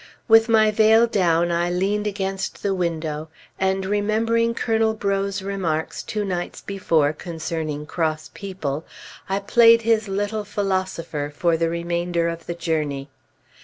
With my veil down, I leaned against the window, and remembering Colonel Breaux's remarks two nights before concerning cross people, I played his "little philosopher" for the remainder of the journey.